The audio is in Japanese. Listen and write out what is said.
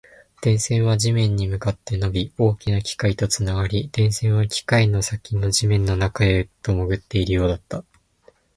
電線は地面に向かって伸び、大きな機械とつながり、電線は機械の先の地面の中へと潜っているようだった